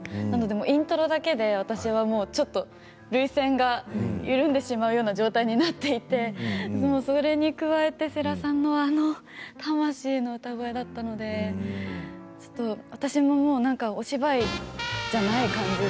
イントロだけで私は涙腺が緩んでしまうような状態になっていてそれに加えて世良さんのあの魂の歌声だったので私もお芝居じゃない感じで。